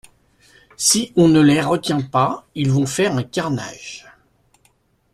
Si on ne les retient pas, ils vont faire un carnage.